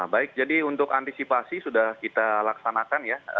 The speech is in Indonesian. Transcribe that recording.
baik jadi untuk antisipasi sudah kita laksanakan ya